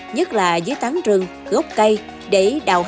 nhất là dưới tán rừng gốc cây để đào